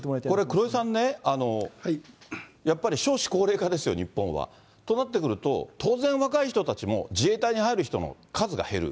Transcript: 黒井さんね、やっぱり少子高齢化ですよ、日本は。となってくると、当然若い人たちも、自衛隊に入る人の数が減る。